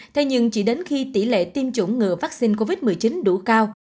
thế nhưng chỉ đến khi tỷ lệ tiêm chủng ngừa vaccine covid một mươi chín đủ cao